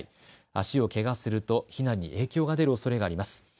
足をけがすると避難に影響が出るおそれがあります。